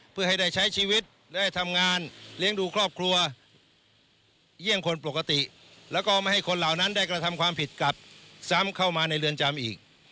เพื่อให้ได้ใช้ชีวิตได้ทำงานเลี้ยงดูครอบครัวเยี่ยมคนปกติแล้วก็ไม่ให้คนเหล่านั้นได้กระทำความผิดกลับซ้ำเข้ามาในเรือนจำอีก